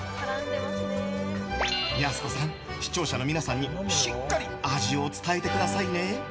やす子さん、視聴者の皆さんにしっかり味を伝えてくださいね。